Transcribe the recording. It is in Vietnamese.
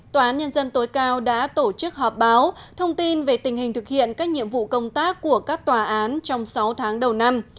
tòa án nhân dân tối cao đã tổ chức họp báo thông tin về tình hình thực hiện các nhiệm vụ công tác của các tòa án trong sáu tháng đầu năm